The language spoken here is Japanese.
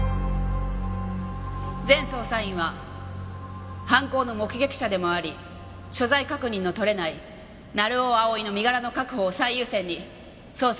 全捜査員は犯行の目撃者でもあり所在確認の取れない成尾蒼の身柄の確保を最優先に捜索